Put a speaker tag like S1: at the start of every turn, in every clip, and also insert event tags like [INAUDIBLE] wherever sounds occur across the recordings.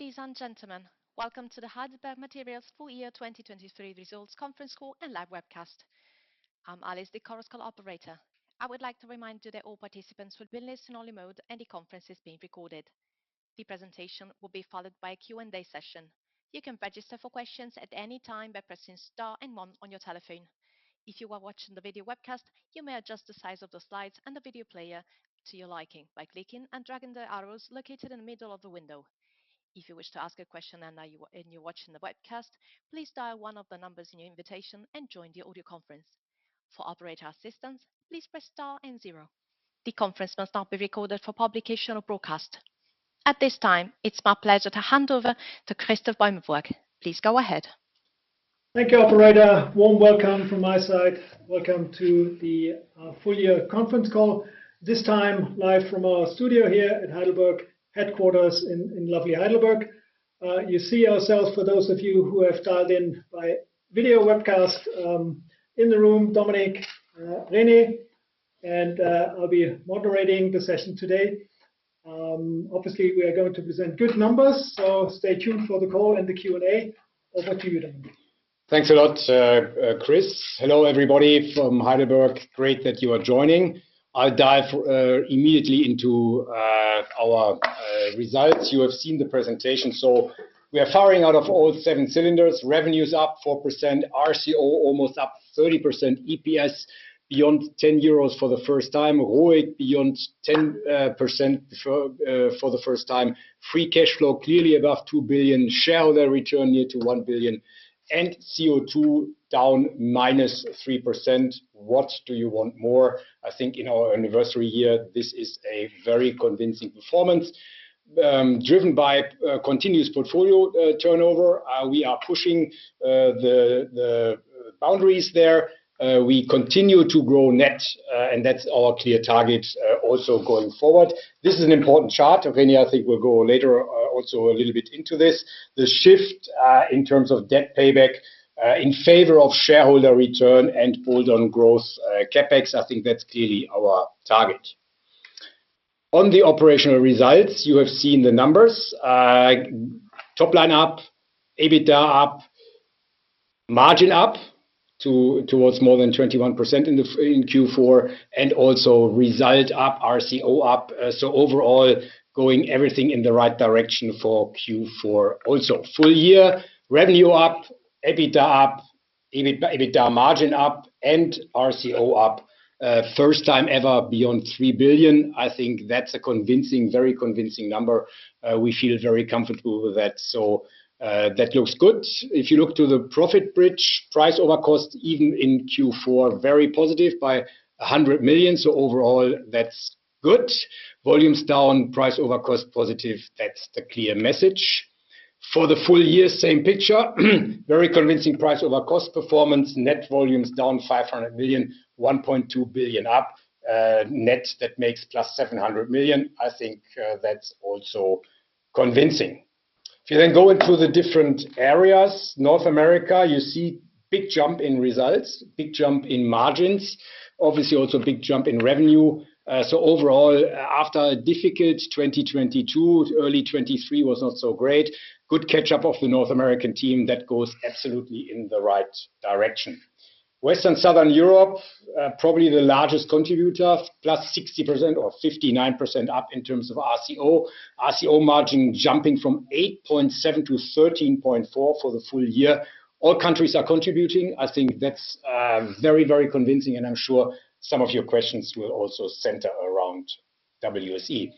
S1: Ladies and gentlemen, welcome to the Heidelberg Materials full year 2023 results conference call and live webcast. I'm Alice, the Chorus Call operator. I would like to remind you that all participants will be in listen-only mode and the conference is being recorded. The presentation will be followed by a Q&A session. You can register for questions at any time by pressing star and one on your telephone. If you are watching the video webcast, you may adjust the size of the slides and the video player to your liking by clicking and dragging the arrows located in the middle of the window. If you wish to ask a question and you're watching the webcast, please dial one of the numbers in your invitation and join the audio conference. For operator assistance, please press star and zero. The conference must not be recorded for publication or broadcast. At this time, it's my pleasure to hand over to Christoph Beumelburg. Please go ahead.
S2: Thank you, operator. Warm welcome from my side. Welcome to the full year conference call, this time live from our studio here at Heidelberg headquarters in lovely Heidelberg. You see ourselves, for those of you who have dialed in by video webcast, in the room, Dominik, René, and I'll be moderating the session today. Obviously, we are going to present good numbers, so stay tuned for the call and the Q&A. Over to you, Dominik.
S3: Thanks a lot, Chris. Hello everybody from Heidelberg. Great that you are joining. I'll dive immediately into our results. You have seen the presentation, so we are firing out of all seven cylinders. Revenue is up 4%, RCO almost up 30%, EPS beyond 10 euros for the first time, ROIC beyond 10% for the first time, free cash flow clearly above 2 billion, shareholder return near to 1 billion, and CO2 down -3%. What do you want more? I think in our anniversary year, this is a very convincing performance driven by continuous portfolio turnover. We are pushing the boundaries there. We continue to grow net, and that's our clear target also going forward. This is an important chart. René, I think we'll go later also a little bit into this. The shift in terms of debt payback in favor of shareholder return and pulled on growth CapEx, I think that's clearly our target. On the operational results, you have seen the numbers. Top line up, EBITDA up, margin up towards more than 21% in Q4, and also result up, RCO up. So overall, going everything in the right direction for Q4 also. Full year, revenue up, EBITDA up, EBITDA margin up, and RCO up, first time ever beyond 3 billion. I think that's a convincing, very convincing number. We feel very comfortable with that. So that looks good. If you look to the profit bridge, price over cost even in Q4, very positive by 100 million. So overall, that's good. Volumes down, price over cost positive. That's the clear message. For the full year, same picture. Very convincing price over cost performance. Net volumes down 500 million, 1.2 billion up. Net that makes +700 million. I think that's also convincing. If you then go into the different areas, North America, you see big jump in results, big jump in margins, obviously also big jump in revenue. So overall, after a difficult 2022, early 2023 was not so great. Good catch-up of the North American team. That goes absolutely in the right direction. Western Southern Europe, probably the largest contributor, +60% or 59% up in terms of RCO. RCO margin jumping from 8.7% to 13.4% for the full year. All countries are contributing. I think that's very, very convincing, and I'm sure some of your questions will also center around WSE.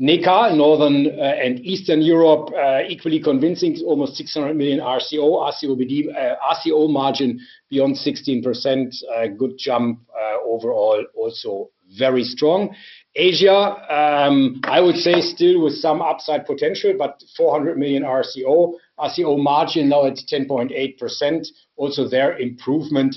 S3: NEOCA, Northern and Eastern Europe, equally convincing, almost 600 million RCO, RCO margin beyond 16%, good jump overall, also very strong. Asia, I would say still with some upside potential, but 400 million RCO, RCO margin now at 10.8%. Also there improvement.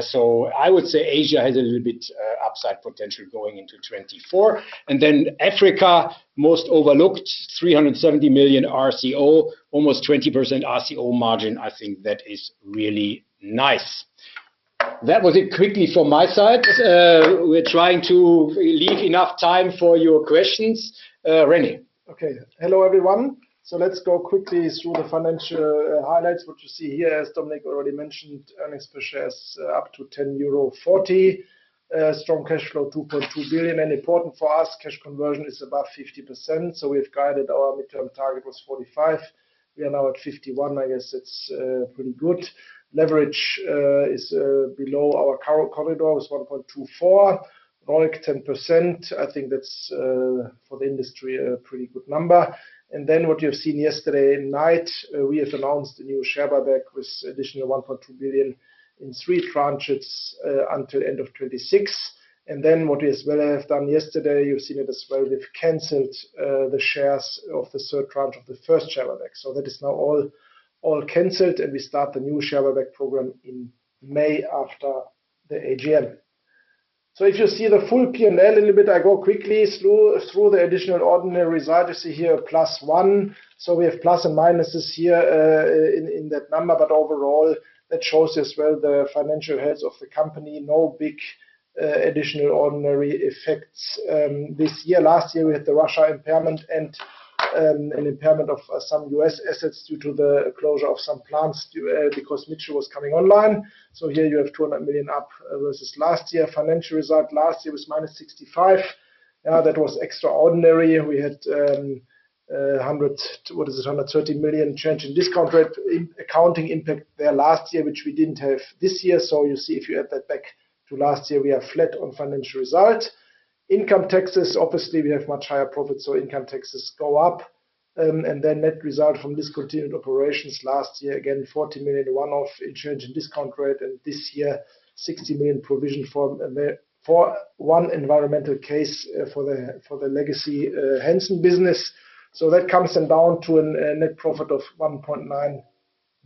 S3: So I would say Asia has a little bit upside potential going into 2024. And then Africa, most overlooked, 370 million RCO, almost 20% RCO margin. I think that is really nice. That was it quickly from my side. We're trying to leave enough time for your questions. René.
S4: Okay. Hello everyone. So let's go quickly through the financial highlights. What you see here, as Dominik already mentioned, earnings per share is up to 10.40 euro, strong cash flow 2.2 billion. And important for us, cash conversion is above 50%. So we have guided our midterm target was 45%. We are now at 51%. I guess that's pretty good. Leverage is below our corridor with 1.24, ROIC 10%. I think that's for the industry a pretty good number. And then what you have seen yesterday night, we have announced a new share buyback with additional 1.2 billion in three tranches until end of 2026. And then what we as well have done yesterday, you've seen it as well, we've canceled the shares of the third tranche of the first share buyback. So that is now all canceled, and we start the new share buyback program in May after the AGM. So if you see the full P&L a little bit, I go quickly through the additional ordinary result. You see here +1. So we have plus and minuses here in that number, but overall that shows as well the financial health of the company. No big additional ordinary effects this year. Last year, we had the Russia impairment and an impairment of some US assets due to the closure of some plants because Mitchell was coming online. So here you have 200 million up versus last year. Financial result last year was -65. That was extraordinary. We had 100, what is it, 130 million change in discount rate accounting impact there last year, which we didn't have this year. So you see if you add that back to last year, we are flat on financial result. Income taxes, obviously we have much higher profit, so income taxes go up. And then net result from discontinued operations last year, again 40 million one-off in change in discount rate, and this year 60 million provision for one environmental case for the legacy Hanson business. So that comes then down to a net profit of 1.9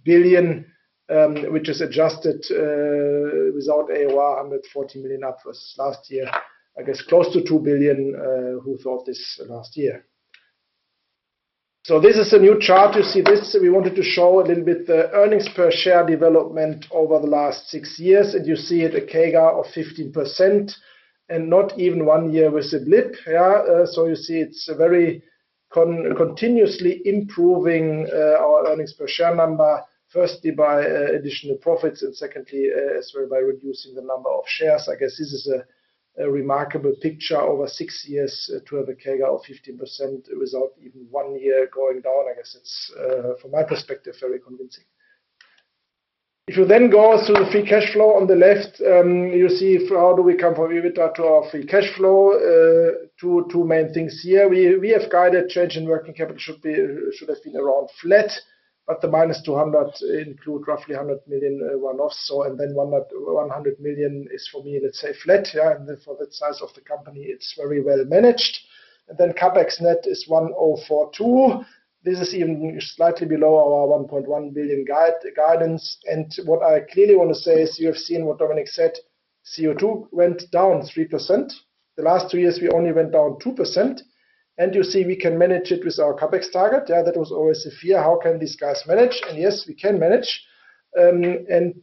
S4: billion, which is adjusted without AOR, 140 million up versus last year, I guess close to 2 billion who thought this last year. So this is a new chart. You see this. We wanted to show a little bit the earnings per share development over the last six years, and you see it a CAGR of 15% and not even one year with a blip. Yeah. So you see it's very continuously improving our earnings per share number, firstly by additional profits and secondly as well by reducing the number of shares. I guess this is a remarkable picture over six years to have a CAGR of 15% without even one year going down. I guess it's, from my perspective, very convincing. If you then go through the free cash flow on the left, you see how do we come from EBITDA to our free cash flow? two main things here. We have guided change in working capital should have been around flat, but the -200 million include roughly 100 million one-offs. And then 100 million is for me, let's say, flat. Yeah. And for the size of the company, it's very well managed. And then capex net is 1,042 million. This is even slightly below our 1.1 billion guidance. And what I clearly want to say is you have seen what Dominik said. CO2 went down 3%. The last two years, we only went down 2%. You see we can manage it with our CapEx target. Yeah. That was always a fear. How can these guys manage? And yes, we can manage. And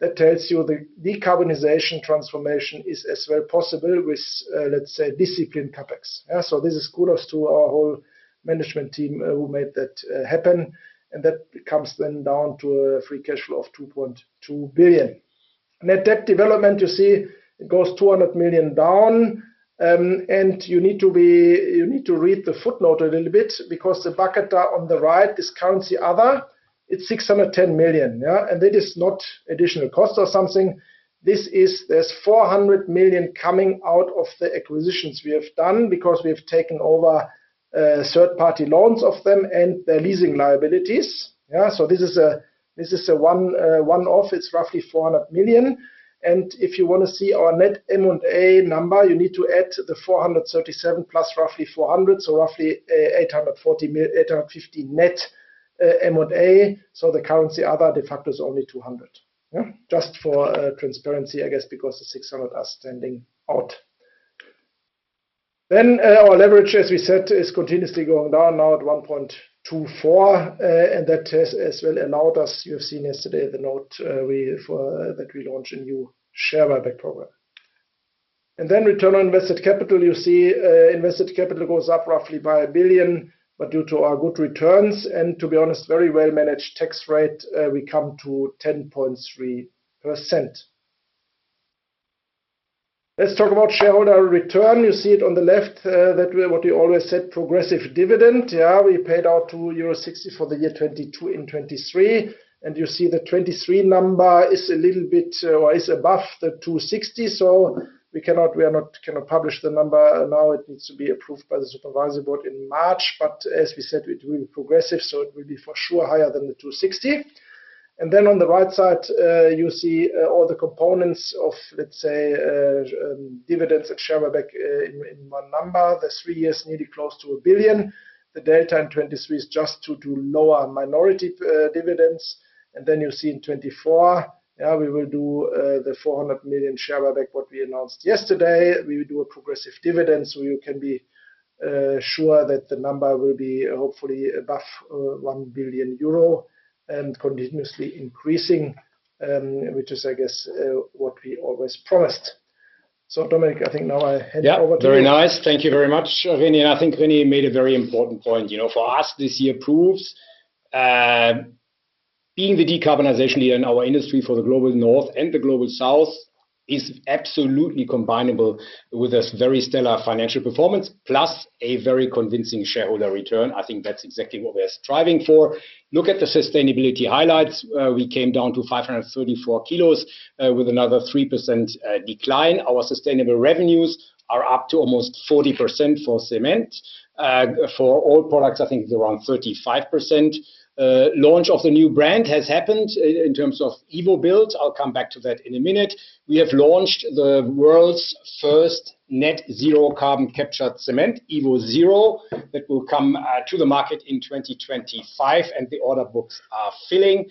S4: that tells you the decarbonization transformation is as well possible with, let's say, disciplined CapEx. Yeah. So this is kudos to our whole management team who made that happen. And that comes then down to a Free Cash Flow of 2.2 billion. Net Debt development, you see it goes 200 million down. And you need to read the footnote a little bit because the bucket on the right, this currency other, it's 610 million. Yeah. And that is not additional cost or something. There's 400 million coming out of the acquisitions we have done because we have taken over third-party loans of them and their leasing liabilities. Yeah. So this is a one-off. It's roughly 400 million. If you want to see our net M&A number, you need to add the 437+ roughly 400, so roughly 850 net M&A. So the currency other de facto is only 200. Yeah. Just for transparency, I guess, because the 600 are standing out. Our leverage, as we said, is continuously going down now at 1.24. And that has as well allowed us. You have seen yesterday the note that we launched a new share buyback program. Return on invested capital, you see invested capital goes up roughly by 1 billion, but due to our good returns and, to be honest, very well managed tax rate, we come to 10.3%. Let's talk about shareholder return. You see it on the left, what we always said, progressive dividend. Yeah. We paid out euro 60 for the year 2022 in 2023. You see the 2023 number is a little bit or is above 260 million. So we cannot publish the number now. It needs to be approved by the supervisory board in March. But as we said, it will be progressive, so it will be for sure higher than the 260. And then on the right side, you see all the components of, let's say, dividends and share buyback in one number. The three years nearly close to 1 billion. The delta in 2023 is just to do lower minority dividends. And then you see in 2024, yeah, we will do the 400 million share buyback what we announced yesterday. We will do a progressive dividend so you can be sure that the number will be hopefully above 1 billion euro and continuously increasing, which is, I guess, what we always promised. Dominik, I think now I hand over to you.
S3: Yeah. Very nice. Thank you very much, René. I think René made a very important point. For us, this year proves being the decarbonization year in our industry for the global north and the global south is absolutely combinable with a very stellar financial performance plus a very convincing shareholder return. I think that's exactly what we are striving for. Look at the sustainability highlights. We came down to 534 kilos with another 3% decline. Our sustainable revenues are up to almost 40% for cement. For all products, I think it's around 35%. Launch of the new brand has happened in terms of evoBuild. I'll come back to that in a minute. We have launched the world's first net zero carbon captured cement, evoZero, that will come to the market in 2025, and the order books are filling.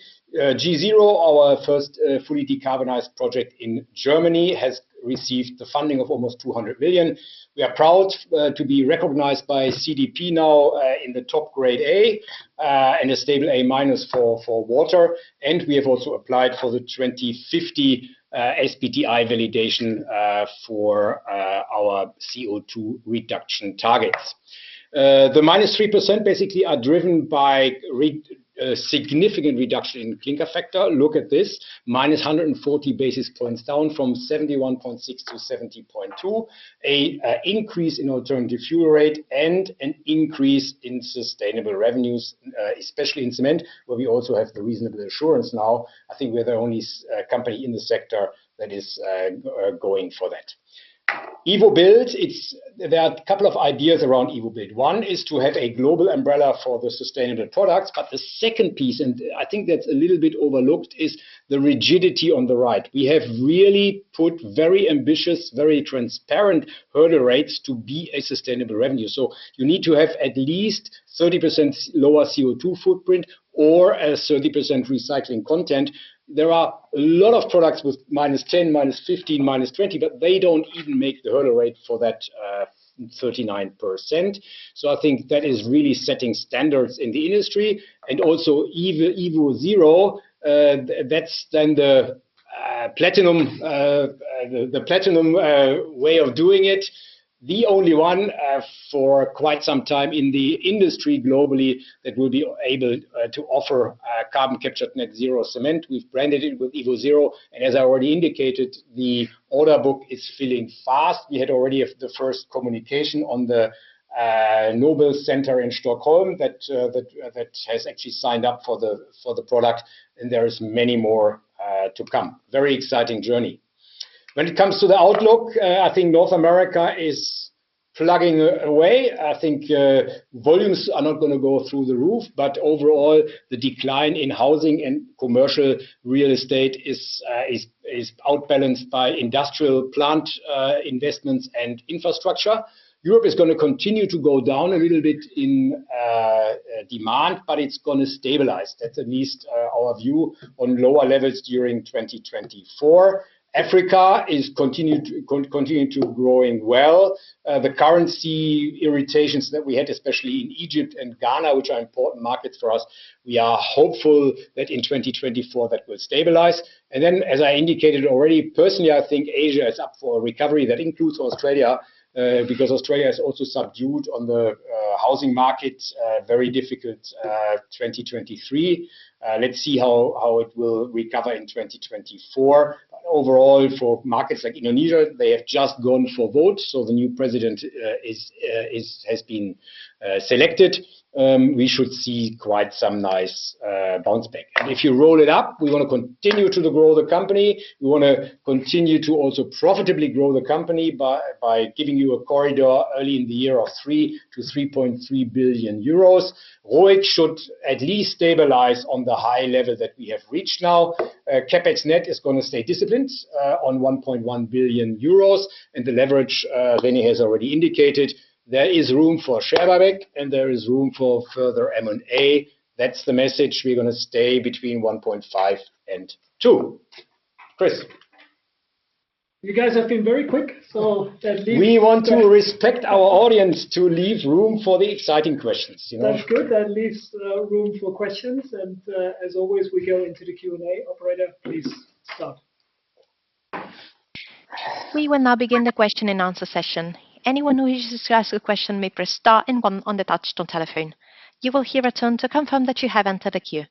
S3: G-Zero, our first fully decarbonized project in Germany, has received funding of almost 200 million. We are proud to be recognized by CDP now in the top grade A and a stable A minus for water. We have also applied for the 2050 SBTi validation for our CO2 reduction targets. The -3% basically are driven by significant reduction in clinker factor. Look at this, minus 140 basis points down from 71.6 to 70.2, an increase in alternative fuel rate, and an increase in sustainable revenues, especially in cement, where we also have the reasonable assurance now. I think we're the only company in the sector that is going for that. evoBuild, there are a couple of ideas around evoBuild. One is to have a global umbrella for the sustainable products. But the second piece, and I think that's a little bit overlooked, is the rigidity on the right. We have really put very ambitious, very transparent hurdle rates to be a sustainable revenue. So you need to have at least 30% lower CO2 footprint or a 30% recycling content. There are a lot of products with -10%, -15%, -20%, but they don't even make the hurdle rate for that 39%. So I think that is really setting standards in the industry. And also evoZero, that's then the platinum way of doing it, the only one for quite some time in the industry globally that will be able to offer carbon captured net zero cement. We've branded it with evoZero. And as I already indicated, the order book is filling fast. We had already the first communication on the Nobel Center in Stockholm that has actually signed up for the product. And there is many more to come. Very exciting journey. When it comes to the outlook, I think North America is plugging away. I think volumes are not going to go through the roof, but overall, the decline in housing and commercial real estate is outbalanced by industrial plant investments and infrastructure. Europe is going to continue to go down a little bit in demand, but it's going to stabilize. That's at least our view on lower levels during 2024. Africa is continuing to growing well. The currency irritations that we had, especially in Egypt and Ghana, which are important markets for us, we are hopeful that in 2024 that will stabilize. And then, as I indicated already, personally, I think Asia is up for a recovery. That includes Australia because Australia is also subdued on the housing market, very difficult 2023. Let's see how it will recover in 2024. But overall, for markets like Indonesia, they have just gone for vote. So the new president has been selected. We should see quite some nice bounce back. And if you roll it up, we want to continue to grow the company. We want to continue to also profitably grow the company by giving you a corridor early in the year of 3 billion-3.3 billion euros. ROIC should at least stabilize on the high level that we have reached now. CapEx net is going to stay disciplined on 1.1 billion euros. And the leverage, René has already indicated, there is room for share buyback and there is room for further M&A. That's the message. We're going to stay between 1.5 and 2. Chris.
S2: You guys have been very quick. So that leaves.
S3: We want to respect our audience to leave room for the exciting questions.
S2: That's good. That leaves room for questions. As always, we go into the Q&A. Operator, please start.
S1: We will now begin the question and answer session. Anyone who wishes to ask a question may press star and one on the touch-tone telephone. You will hear a tone to confirm that you have entered a queue.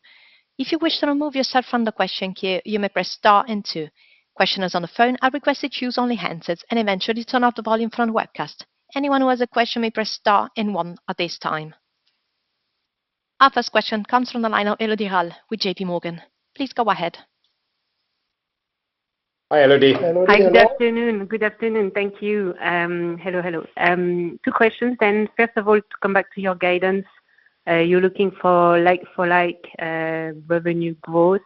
S1: If you wish to remove yourself from the question queue, you may press star and two. Questioners on the phone are requested to use only the handset and to turn off the volume from the webcast. Anyone who has a question may press star and one at this time. Our first question comes from the line of Elodie Rall with JPMorgan. Please go ahead.
S3: Hi, Elodie.
S5: Hi. Good afternoon. Good afternoon. Thank you. Hello. Hello. Two questions then. First of all, to come back to your guidance, you're looking for like revenue growth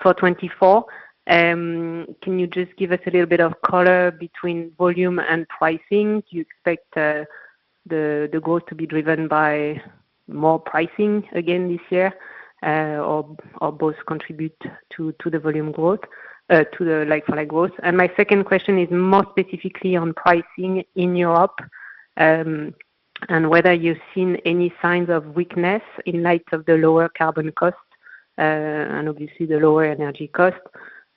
S5: for 2024. Can you just give us a little bit of color between volume and pricing? Do you expect the growth to be driven by more pricing again this year or both contribute to the volume growth, to the like for like growth? And my second question is more specifically on pricing in Europe and whether you've seen any signs of weakness in light of the lower carbon cost and obviously the lower energy cost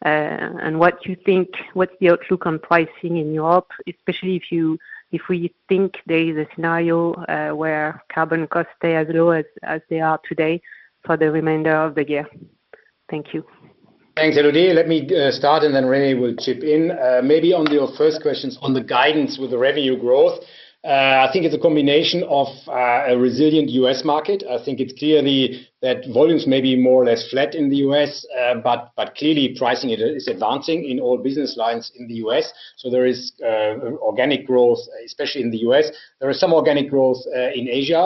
S5: and what you think, what's the outlook on pricing in Europe, especially if we think there is a scenario where carbon costs stay as low as they are today for the remainder of the year. Thank you.
S3: Thanks, Elodie. Let me start and then René will chip in. Maybe on your first questions on the guidance with the revenue growth, I think it's a combination of a resilient US market. I think it's clearly that volumes may be more or less flat in the US, but clearly pricing is advancing in all business lines in the US So there is organic growth, especially in the US There is some organic growth in Asia.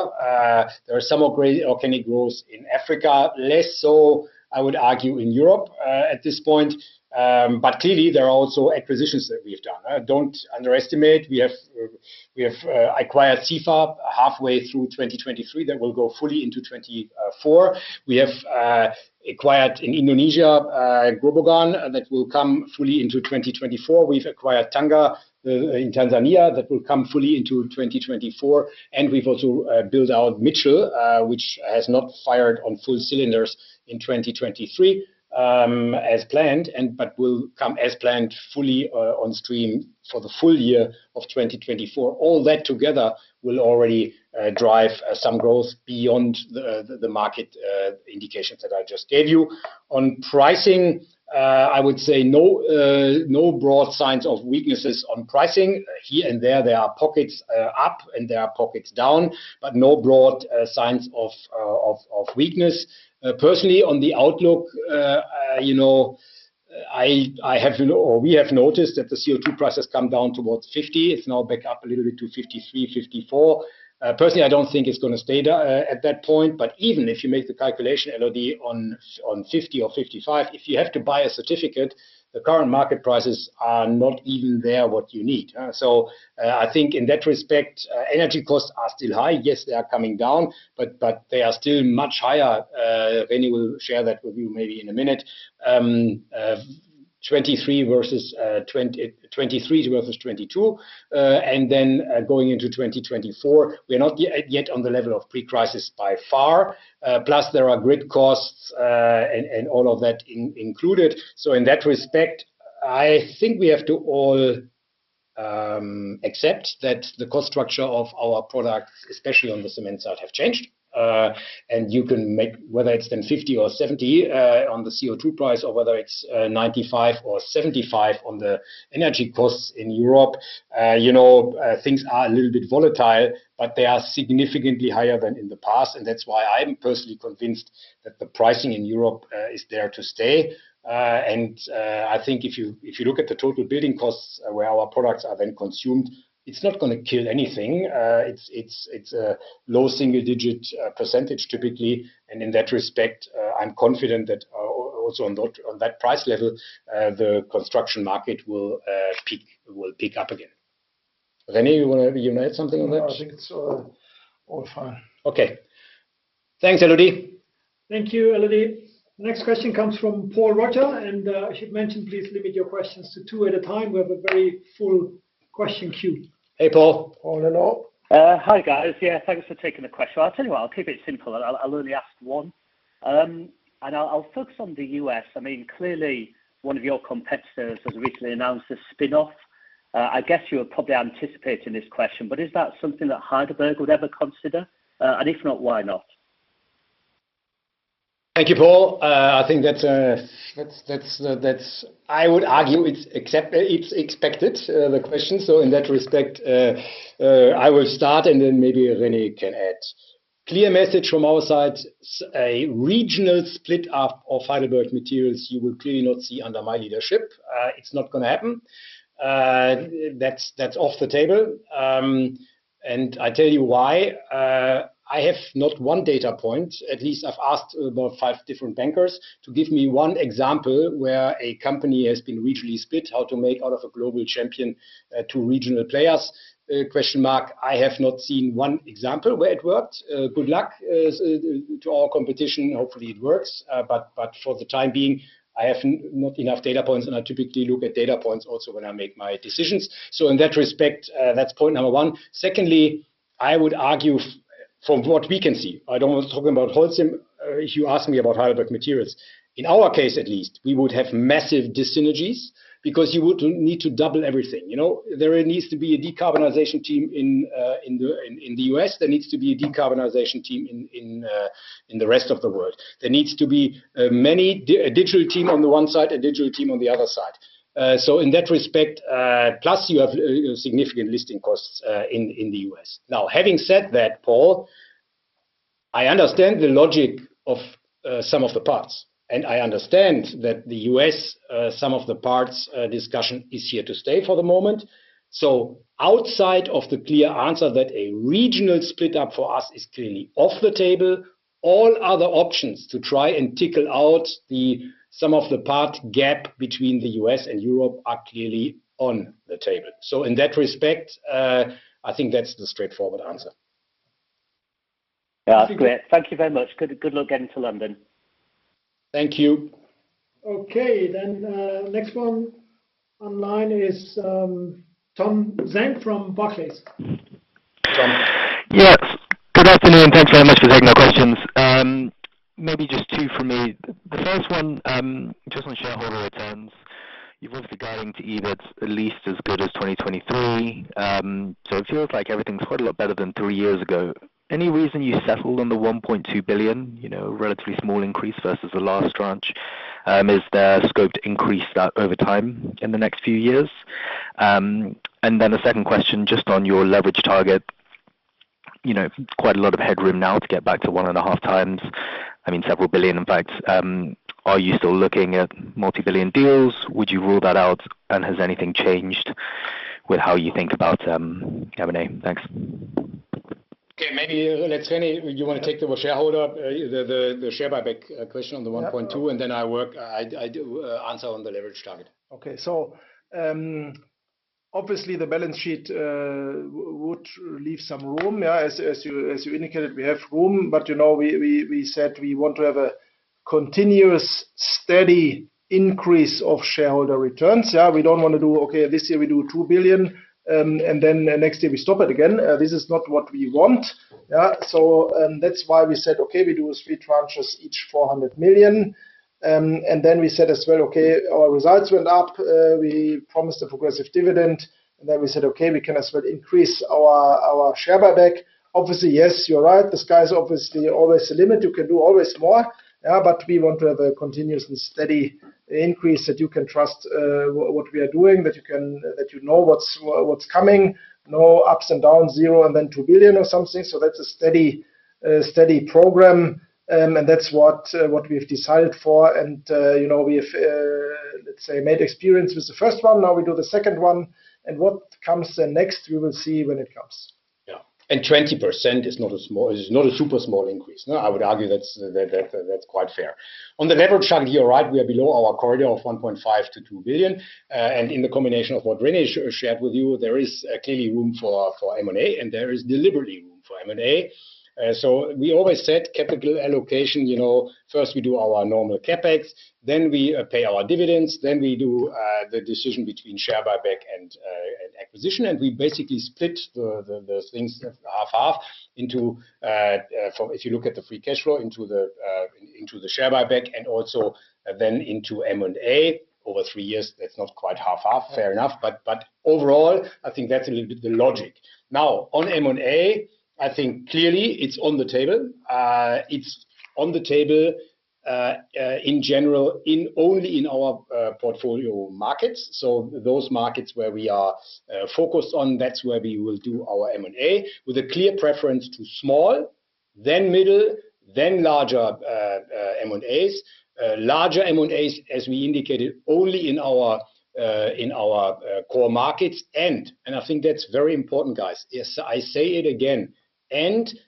S3: There is some organic growth in Africa, less so, I would argue, in Europe at this point. But clearly, there are also acquisitions that we have done. Don't underestimate. We have acquired CFAB halfway through 2023 that will go fully into 2024. We have acquired in Indonesia Grobogan that will come fully into 2024. We've acquired Tanga in Tanzania that will come fully into 2024. We've also built out Mitchell, which has not fired on full cylinders in 2023 as planned, but will come as planned fully on stream for the full year of 2024. All that together will already drive some growth beyond the market indications that I just gave you. On pricing, I would say no broad signs of weaknesses on pricing. Here and there, there are pockets up and there are pockets down, but no broad signs of weakness. Personally, on the outlook, I have or we have noticed that the CO2 prices come down towards 50. It's now back up a little bit to 53, 54. Personally, I don't think it's going to stay at that point. But even if you make the calculation, Elodie, on 50 or 55, if you have to buy a certificate, the current market prices are not even there what you need. So I think in that respect, energy costs are still high. Yes, they are coming down, but they are still much higher. René will share that with you maybe in a minute, 2023 versus 2022. And then going into 2024, we are not yet on the level of pre-crisis by far. Plus, there are grid costs and all of that included. So in that respect, I think we have to all accept that the cost structure of our products, especially on the cement side, have changed. And you can make, whether it's then 50 or 70 on the CO2 price or whether it's 95 or 75 on the energy costs in Europe, things are a little bit volatile, but they are significantly higher than in the past. And that's why I'm personally convinced that the pricing in Europe is there to stay. I think if you look at the total building costs where our products are then consumed, it's not going to kill anything. It's a low single-digit percentage typically. In that respect, I'm confident that also on that price level, the construction market will peak up again. René, you want to add something on that?
S4: I think it's all fine.
S3: Okay. Thanks, Elodie.
S2: Thank you, Elodie. Next question comes from Paul Roger. As you've mentioned, please limit your questions to two at a time. We have a very full question queue.
S3: Hey, Paul.
S4: Paul, hello.
S6: Hi, guys. Yeah, thanks for taking the question. I'll tell you what, I'll keep it simple. I'll only ask one. And I'll focus on the US I mean, clearly, one of your competitors has recently announced a spinoff. I guess you were probably anticipating this question, but is that something that Heidelberg would ever consider? And if not, why not?
S3: Thank you, Paul. I think that's, I would argue, it's expected, the question. So in that respect, I will start and then maybe René can add. Clear message from our side, a regional split of Heidelberg materials, you will clearly not see under my leadership. It's not going to happen. That's off the table. And I tell you why. I have not one data point. At least I've asked about five different bankers to give me one example where a company has been regionally split, how to make out of a global champion two regional players? I have not seen one example where it worked. Good luck to our competition. Hopefully, it works. But for the time being, I have not enough data points. And I typically look at data points also when I make my decisions. So in that respect, that's point number one. Secondly, I would argue, from what we can see, I don't want to talk about Holcim if you ask me about Heidelberg Materials. In our case, at least, we would have massive dissynergies because you would need to double everything. There needs to be a decarbonization team in the US There needs to be a decarbonization team in the rest of the world. There needs to be a digital team on the one side, a digital team on the other side. So in that respect, plus, you have significant listing costs in the US Now, having said that, Paul, I understand the logic of some of the parts. And I understand that the US, some of the parts discussion is here to stay for the moment. So outside of the clear answer that a regional split up for us is clearly off the table, all other options to try and tickle out some of the part gap between the US and Europe are clearly on the table. So in that respect, I think that's the straightforward answer.
S6: Yeah, that's great. Thank you very much. Good luck getting to London.
S3: Thank you.
S2: Okay. Then next one online is Tom Zhang from Barclays.
S3: Tom.
S7: Yes. Good afternoon. Thanks very much for taking our questions. Maybe just two for me. The first one, just on shareholder returns, you've obviously got into EBITDA at least as good as 2023. So it feels like everything's quite a lot better than three years ago. Any reason you settled on the 1.2 billion, relatively small increase versus the last tranche, is there scope to increase that over time in the next few years? And then the second question, just on your leverage target, quite a lot of headroom now to get back to 1.5x, I mean, several billion EUR, in fact. Are you still looking at multi-billion EUR deals? Would you rule that out? And has anything changed with how you think about M&A? Thanks.
S3: Okay. Maybe let's René, you want to take the shareholder, the share buyback question on the 1.2, and then I answer on the leverage target.
S4: Okay. So obviously, the balance sheet would leave some room. Yeah, as you indicated, we have room. But we said we want to have a continuous, steady increase of shareholder returns. Yeah, we don't want to do, Okay, this year we do 2 billion, and then next year we stop it again. This is not what we want. Yeah, so that's why we said, Okay, we do three tranches each, 400 million. And then we said as well, Okay, our results went up. We promised a progressive dividend. And then we said, Okay, we can as well increase our share buyback. Obviously, yes, you're right. The sky is obviously always the limit. You can do always more. Yeah, but we want to have a continuous and steady increase that you can trust what we are doing, that you know what's coming, no ups and downs, zero, and then 2 billion or something. That's a steady program. That's what we've decided for. We have, let's say, made experience with the first one. Now we do the second one. What comes then next, we will see when it comes.
S3: Yeah. And 20% is not a super small increase. I would argue that's quite fair. On the leverage chart here, right, we are below our corridor of 1.5 billion-2 billion. And in the combination of what René shared with you, there is clearly room for M&A, and there is deliberately room for M&A. So we always said capital allocation, first we do our normal CapEx, then we pay our dividends, then we do the decision between share buyback and acquisition. And we basically split the things 50/50 into, if you look at the free cash flow, into the share buyback and also then into M&A. Over three years, that's not quite 50/50, fair enough. But overall, I think that's a little bit the logic. Now, on M&A, I think clearly it's on the table. It's on the table in general, only in our portfolio markets. So those markets where we are focused on, that's where we will do our M&A with a clear preference to small, then middle, then larger M&As. Larger M&As, as we indicated, only in our core markets. And I think that's very important, guys. I say it again, and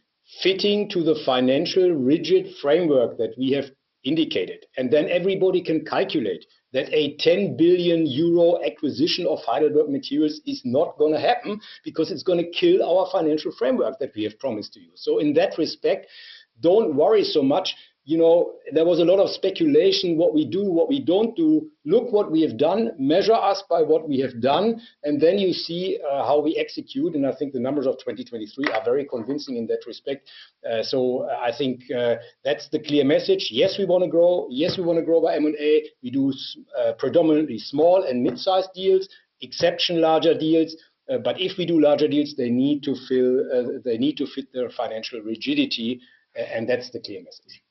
S3: fitting to the financial rigid framework that we have indicated. And then everybody can calculate that a 10 billion euro acquisition of Heidelberg Materials is not going to happen because it's going to kill our financial framework that we have promised to you. So in that respect, don't worry so much. There was a lot of speculation, what we do, what we don't do. Look what we have done, measure us by what we have done, and then you see how we execute. And I think the numbers of 2023 are very convincing in that respect. So I think that's the clear message. Yes, we want to grow. Yes, we want to grow by M&A. We do predominantly small and midsize deals, exception larger deals. But if we do larger deals, they need to fill, they need to fit their financial rigidity. That's the clear message.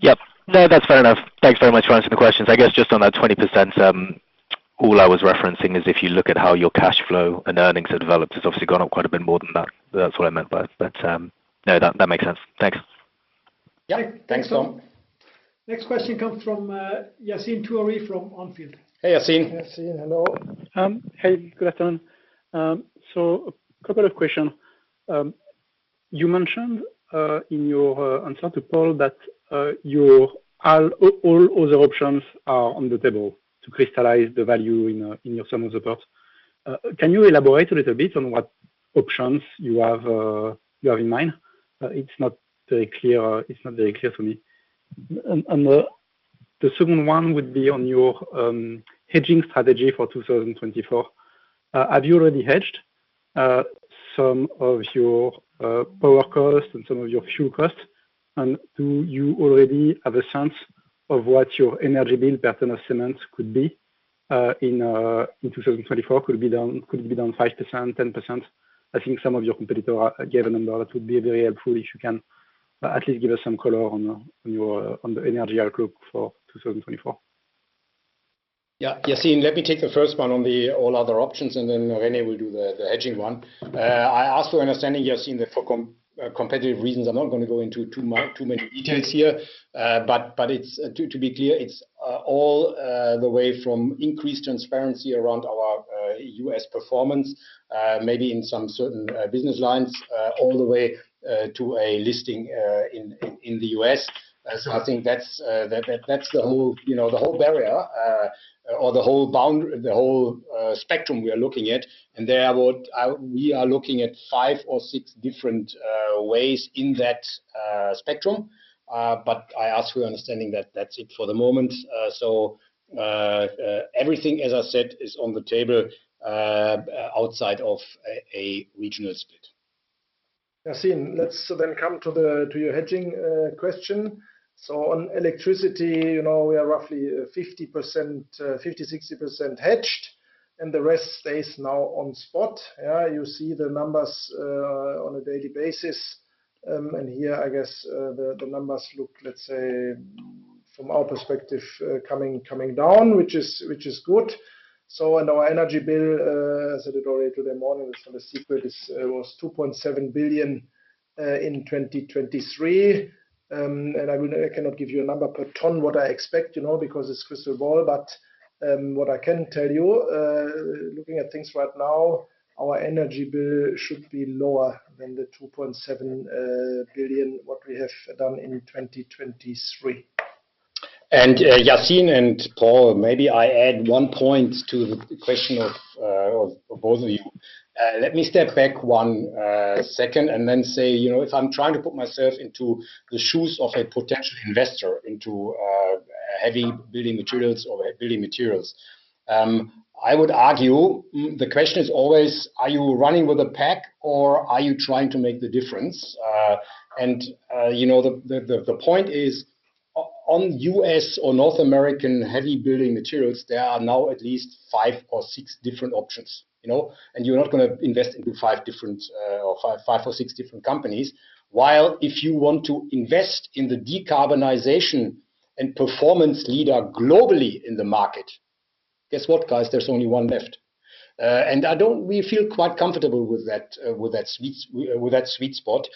S7: Yep. No, that's fair enough. Thanks very much for answering the questions. I guess just on that 20%, all I was referencing is if you look at how your cash flow and earnings have developed, it's obviously gone up quite a bit more than that. That's what I meant. But no, that makes sense. Thanks.
S3: Yeah. Thanks, Tom.
S2: Next question comes from Yassine Touahri from On Field.
S3: Hey, Yassine.
S4: Yassine, hello.
S8: Hey, good afternoon. So a couple of questions. You mentioned in your answer to Paul that all other options are on the table to crystallize the value in your sum of the parts. Can you elaborate a little bit on what options you have in mind? It's not very clear. It's not very clear to me. And the second one would be on your hedging strategy for 2024. Have you already hedged some of your power costs and some of your fuel costs? And do you already have a sense of what your energy bill, per ton of cement, could be in 2024? Could it be down 5%-10%? I think some of your competitors gave a number that would be very helpful if you can at least give us some color on the energy outlook for 2024.
S3: Yeah. Yassine, let me take the first one on the all other options, and then René will do the hedging one. I asked for understanding, Yassine, that for competitive reasons, I'm not going to go into too many details here. But to be clear, it's all the way from increased transparency around our US performance, maybe in some certain business lines, all the way to a listing in the US. So I think that's the whole barrier or the whole spectrum we are looking at. And we are looking at five or six different ways in that spectrum. But I ask for understanding that that's it for the moment. So everything, as I said, is on the table outside of a regional split.
S4: Yassine, let's then come to your hedging question. So on electricity, we are roughly 50%-60% hedged, and the rest stays now on spot. Yeah, you see the numbers on a daily basis. And here, I guess the numbers look, let's say, from our perspective, coming down, which is good. So on our energy bill, I said it already today morning, it was 2.7 billion in 2023. And I cannot give you a number per ton, what I expect, because it's crystal ball. But what I can tell you, looking at things right now, our energy bill should be lower than the 2.7 billion, what we have done in 2023.
S3: Yassine and Paul, maybe I add one point to the question of both of you. Let me step back one second and then say, if I'm trying to put myself into the shoes of a potential investor, into heavy building materials or building materials, I would argue the question is always, are you running with a pack or are you trying to make the difference? And the point is, on US or North American heavy building materials, there are now at least five or six different options. And you're not going to invest into five or six different companies. While if you want to invest in the decarbonization and performance leader globally in the market, guess what, guys? There's only one left. And we feel quite comfortable with that sweet spot.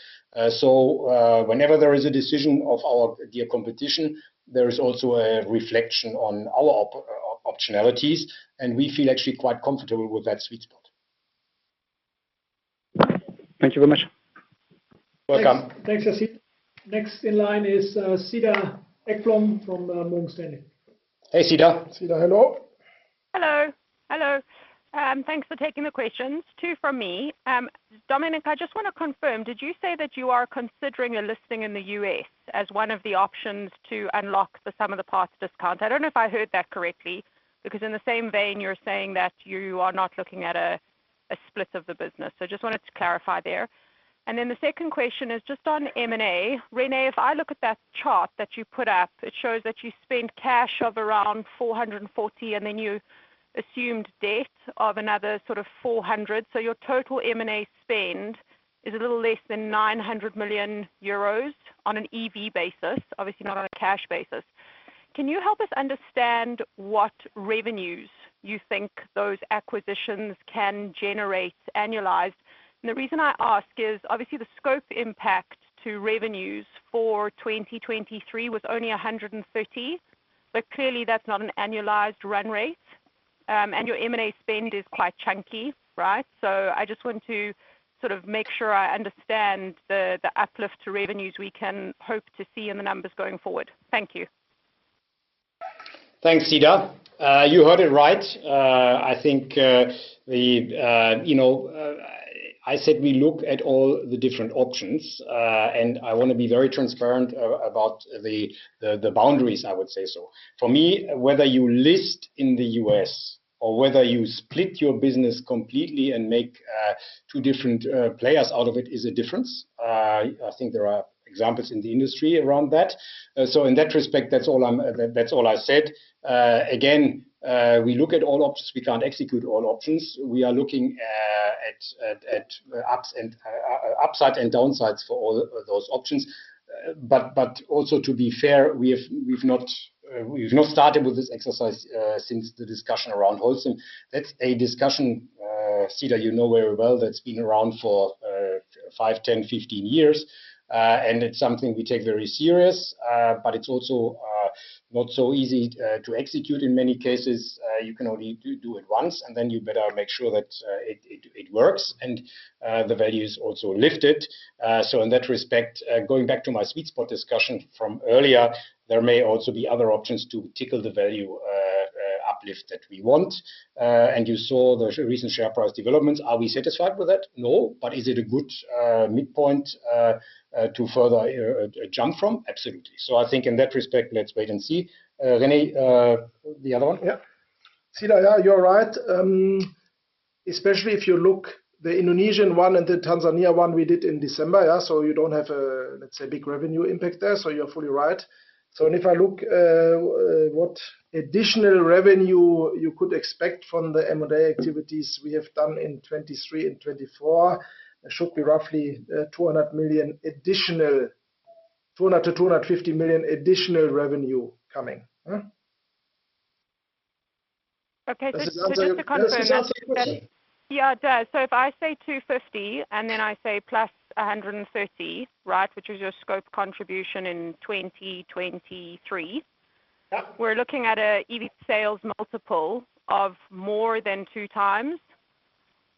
S3: So whenever there is a decision of our dear competition, there is also a reflection on our optionalities. We feel actually quite comfortable with that sweet spot.
S8: Thank you very much.
S3: Welcome.
S2: Thanks, Yassine. Next in line is Cedar Ekblom from Morgan Stanley.
S3: Hey, Cedar.
S4: Cedar, hello.
S9: Hello. Hello. Thanks for taking the questions. Two from me. Dominik, I just want to confirm, did you say that you are considering a listing in the US as one of the options to unlock the sum of the parts discount? I don't know if I heard that correctly because in the same vein, you're saying that you are not looking at a split of the business. So I just wanted to clarify there. And then the second question is just on M&A. René, if I look at that chart that you put up, it shows that you spent cash of around 440 million, and then you assumed debt of another sort of 400 million. So your total M&A spend is a little less than 900 million euros on an EV basis, obviously not on a cash basis. Can you help us understand what revenues you think those acquisitions can generate annualized? The reason I ask is, obviously, the scope impact to revenues for 2023 was only 130 million, but clearly, that's not an annualized run rate. Your M&A spend is quite chunky, right? I just want to sort of make sure I understand the uplift to revenues we can hope to see in the numbers going forward. Thank you.
S3: Thanks, Cedar. You heard it right. I think I said we look at all the different options. And I want to be very transparent about the boundaries, I would say so. For me, whether you list in the US or whether you split your business completely and make two different players out of it is a difference. I think there are examples in the industry around that. So in that respect, that's all I said. Again, we look at all options. We can't execute all options. We are looking at upside and downsides for all those options. But also, to be fair, we've not started with this exercise since the discussion around Holcim. That's a discussion, Cedar, you know very well, that's been around for five, 10, 15 years. And it's something we take very serious. But it's also not so easy to execute in many cases. You can only do it once, and then you better make sure that it works and the value is also lifted. So in that respect, going back to my sweet spot discussion from earlier, there may also be other options to tickle the value uplift that we want. And you saw the recent share price developments. Are we satisfied with that? No. But is it a good midpoint to further jump from? Absolutely. So I think in that respect, let's wait and see. René, the other one?
S4: Yeah. Cedar, yeah, you're right. Especially if you look at the Indonesian one and the Tanzania one we did in December. Yeah, so you don't have, let's say, big revenue impact there. So you're fully right. So if I look at what additional revenue you could expect from the M&A activities we have done in 2023 and 2024, there should be roughly 200 million additional, 200 million-250 million additional revenue coming.
S9: Okay. So just to confirm, Yassine. Yeah, it does. So if I say 250 and then I say +130, right, which is your scope contribution in 2023, we're looking at an EV sales multiple of more than 2x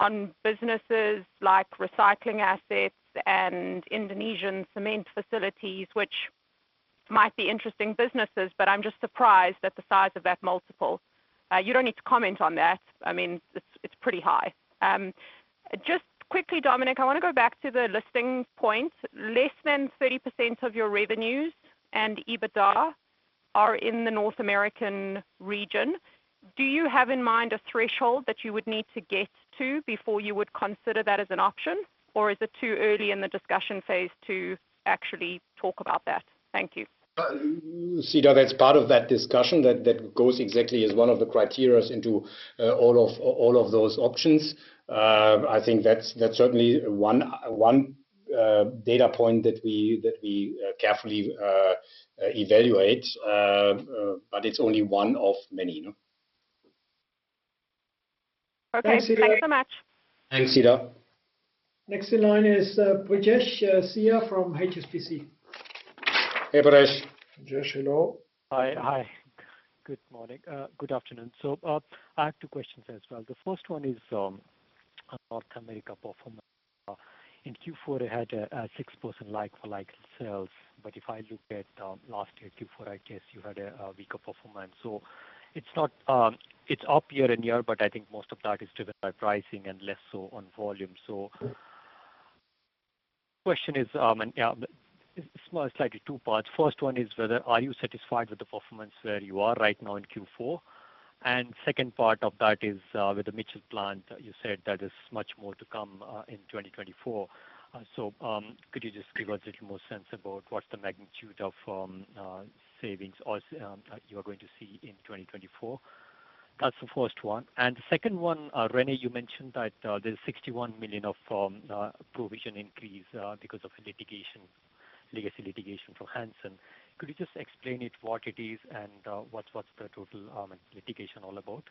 S9: on businesses like recycling assets and Indonesian cement facilities, which might be interesting businesses, but I'm just surprised at the size of that multiple. You don't need to comment on that. I mean, it's pretty high. Just quickly, Dominik, I want to go back to the listing point. Less than 30% of your revenues and EBITDA are in the North American region. Do you have in mind a threshold that you would need to get to before you would consider that as an option, or is it too early in the discussion phase to actually talk about that? Thank you.
S3: Cedar, that's part of that discussion that goes exactly as one of the criteria into all of those options. I think that's certainly one data point that we carefully evaluate. But it's only one of many.
S9: Okay. Thanks so much.
S3: Thanks, Cedar.
S2: Next in line is Brijesh Siya from HSBC.
S3: Hey, Brijesh.
S4: Brijesh, hello.
S10: Hi. Good morning. Good afternoon. So I have two questions as well. The first one is North America performance. In Q4, it had a 6% like-for-like sales. But if I look at last year, Q4, I guess you had a weaker performance. So it's up year-on-year, but I think most of that is driven by pricing and less so on volume. So the question is, and it's slightly two parts. First one is whether are you satisfied with the performance where you are right now in Q4? And second part of that is with the Mitchell plant, you said that there's much more to come in 2024. So could you just give us a little more sense about what's the magnitude of savings you are going to see in 2024? That's the first one. The second one, René, you mentioned that there's 61 million of provision increase because of legacy litigation from Hanson. Could you just explain what it is and what's the total litigation all about?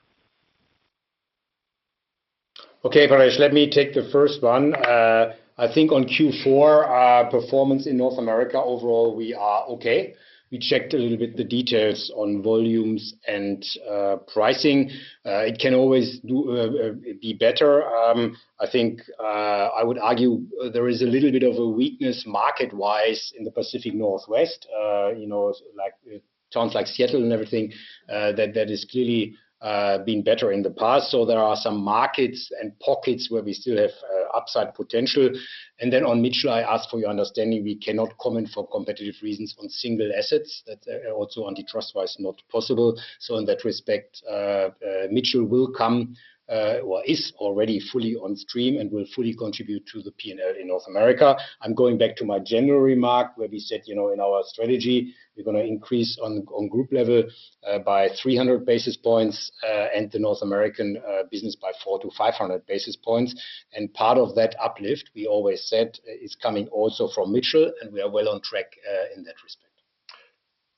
S3: Okay, Brijesh, let me take the first one. I think on Q4 performance in North America, overall, we are okay. We checked a little bit the details on volumes and pricing. It can always be better. I think I would argue there is a little bit of a weakness market-wise in the Pacific Northwest, towns like Seattle and everything, that has clearly been better in the past. So there are some markets and pockets where we still have upside potential. And then on Mitchell, I asked for your understanding, we cannot comment for competitive reasons on single assets. That's also antitrust-wise not possible. So in that respect, Mitchell will come or is already fully on stream and will fully contribute to the P&L in North America. I'm going back to my general remark where we said in our strategy, we're going to increase on group level by 300 basis points and the North American business by 400-500 basis points. Part of that uplift, we always said, is coming also from Mitchell, and we are well on track in that respect.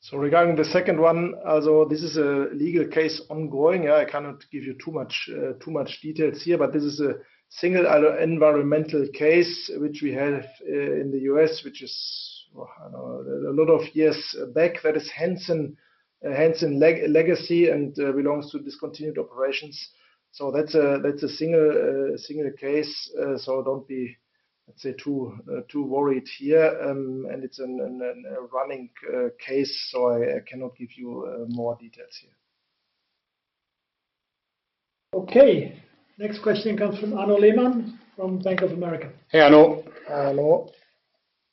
S4: So, regarding the second one, also this is a legal case ongoing. Yeah, I cannot give you too much details here, but this is a single environmental case which we have in the US, which is a lot of years back. That is Hanson legacy and belongs to discontinued operations. So that's a single case. So don't be, let's say, too worried here. And it's a running case, so I cannot give you more details here.
S2: Okay. Next question comes from Arnaud Lehmann from Bank of America.
S3: Hey, Arno.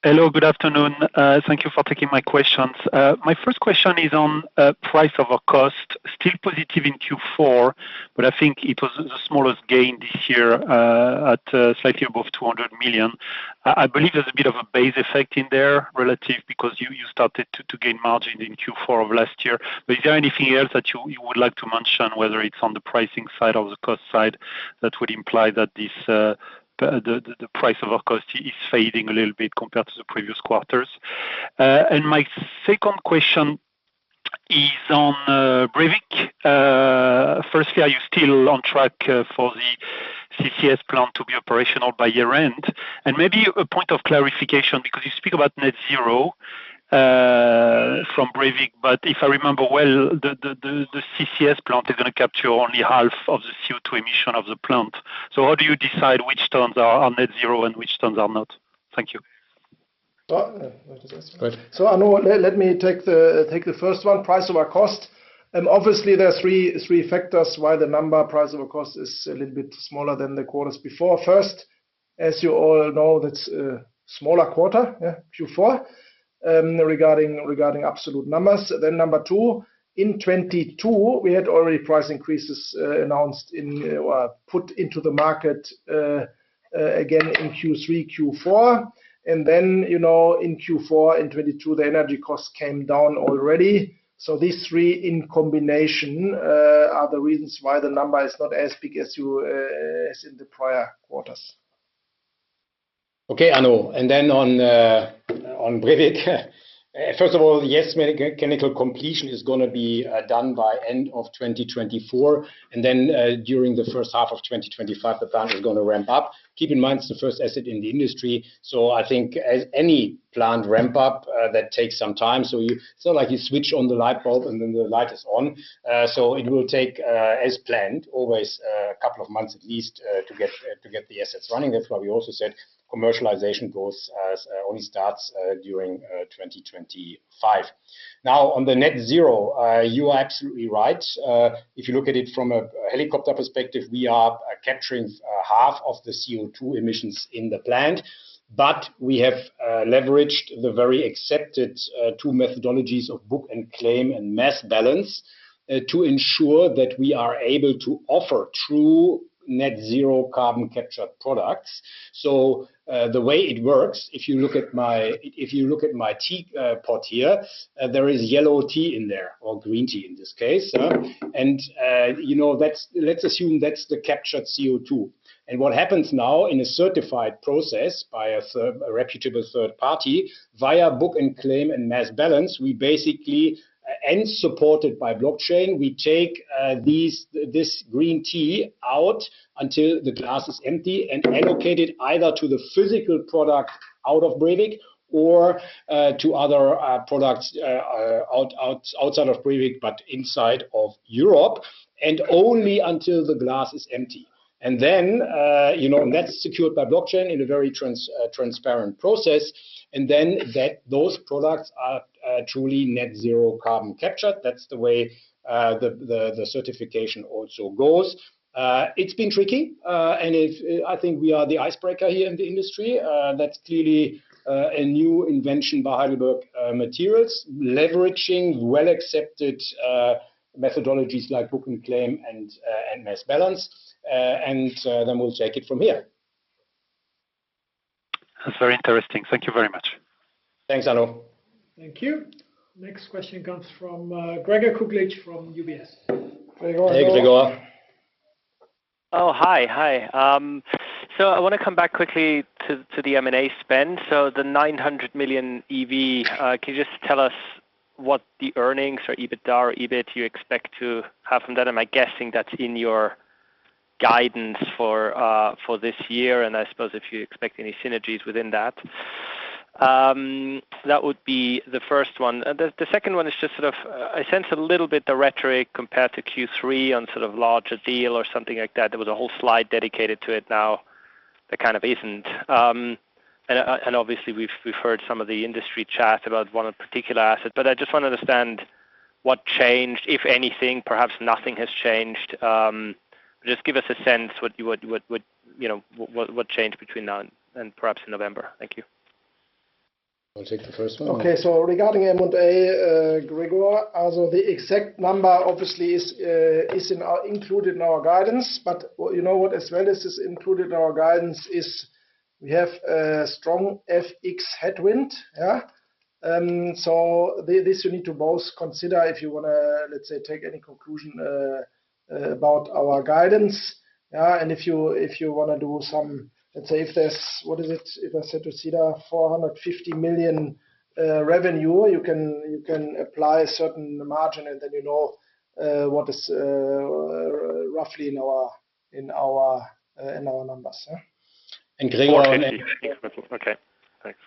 S11: Hello. Good afternoon. Thank you for taking my questions. My first question is on price over cost, still positive in Q4, but I think it was the smallest gain this year at slightly above 200 million. I believe there's a bit of a base effect in there relative because you started to gain margin in Q4 of last year. But is there anything else that you would like to mention, whether it's on the pricing side or the cost side, that would imply that the price over cost is fading a little bit compared to the previous quarters? And my second question is on Brevik. Firstly, are you still on track for the CCS plant to be operational by year-end? Maybe a point of clarification because you speak about net zero from Brevik, but if I remember well, the CCS plant is going to capture only half of the CO2 emission of the plant. So how do you decide which tons are net zero and which tons are not? Thank you.
S4: That is excellent. So Arno, let me take the first one, price over cost. Obviously, there are three factors why the number price over cost is a little bit smaller than the quarters before. First, as you all know, that's a smaller quarter, yeah, Q4, regarding absolute numbers. Then number two, in 2022, we had already price increases announced or put into the market again in Q3, Q4. And then in Q4, in 2022, the energy cost came down already. So these three, in combination, are the reasons why the number is not as big as in the prior quarters.
S3: Okay, Arno. And then on Brevik, first of all, yes, mechanical completion is going to be done by end of 2024. And then during the first half of 2025, the plant is going to ramp up. Keep in mind it's the first asset in the industry. So I think any plant ramp-up that takes some time. So it's not like you switch on the light bulb and then the light is on. So it will take, as planned, always a couple of months at least to get the assets running. That's why we also said commercialization only starts during 2025. Now, on the net zero, you are absolutely right. If you look at it from a helicopter perspective, we are capturing half of the CO2 emissions in the plant. But we have leveraged the very accepted two methodologies of Book and Claim and Mass Balance to ensure that we are able to offer true net-zero carbon capture products. So the way it works, if you look at my teapot here, there is yellow tea in there or green tea in this case. And let's assume that's the captured CO2. And what happens now in a certified process by a reputable third party, via Book and Claim and Mass Balance, we basically, and supported by blockchain, we take this green tea out until the glass is empty and allocate it either to the physical product out of Brevik or to other products outside of Brevik, but inside of Europe, and only until the glass is empty. And then that's secured by blockchain in a very transparent process. And then those products are truly net zero carbon captured. That's the way the certification also goes. It's been tricky. And I think we are the icebreaker here in the industry. That's clearly a new invention by Heidelberg Materials, leveraging well-accepted methodologies like Book and Claim and Mass Balance. And then we'll take it from here.
S11: That's very interesting. Thank you very much.
S3: Thanks, Arno.
S2: Thank you. Next question comes from Gregor Kuglitsch from UBS.
S3: Hey, Gregor.
S12: Oh, hi. Hi. So I want to come back quickly to the M&A spend. So the 900 million EV, can you just tell us what the earnings or EBITDA or EBIT you expect to have from that? And I'm guessing that's in your guidance for this year. And I suppose if you expect any synergies within that. That would be the first one. The second one is just sort of I sense a little bit of the rhetoric compared to Q3 on sort of larger deal or something like that. There was a whole slide dedicated to it now that kind of isn't. And obviously, we've heard some of the industry chat about one particular asset. But I just want to understand what changed, if anything. Perhaps nothing has changed. Just give us a sense what changed between now and perhaps in November. Thank you.
S4: I'll take the first one. Okay. So regarding M&A, Gregor, also the exact number, obviously, is included in our guidance. But you know what? As well as is included in our guidance is we have a strong FX headwind. Yeah? So this you need to both consider if you want to, let's say, take any conclusion about our guidance. Yeah? And if you want to do some, let's say, if there's what is it? If I said to Cedar, 450 million revenue, you can apply a certain margin, and then you know what is roughly in our numbers. Yeah? [CROSSTALK]
S12: Okay. Thanks.